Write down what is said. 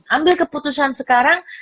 ambil keputusan sekarang